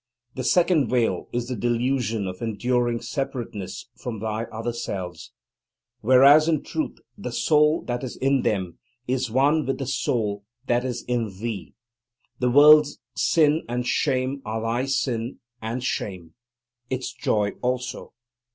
The second veil is the delusion of enduring separateness from thy other selves, whereas in truth the soul that is in them is one with the soul that is in thee. The world's sin and shame are thy sin and shame: its joy also.